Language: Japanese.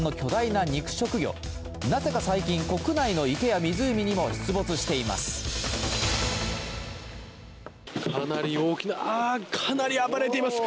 なぜか最近、国内の池や湖にも出没しています。